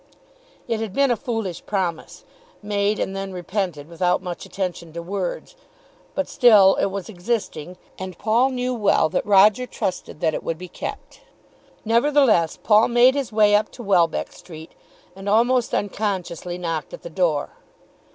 It had been a foolish promise, made and then repented without much attention to words; but still it was existing, and Paul knew well that Roger trusted that it would be kept. Nevertheless Paul made his way up to Welbeck Street and almost unconsciously knocked at the door.